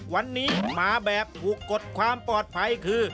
วันนี้มาแบบถูกกดความปลอดภัยคือ